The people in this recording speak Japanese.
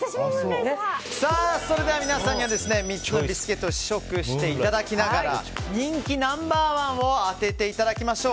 それでは皆さんには３つのビスケットを試食していただきながら人気ナンバー１を当てていただきましょう。